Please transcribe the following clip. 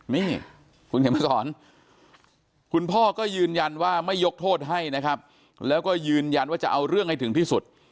นี่คุณเขียนมาสอนคุณพ่อก็ยืนยันว่าไม่ยกโทษให้นะครับแล้วก็ยืนยันว่าจะเอาเรื่องให้ถึงที่สุด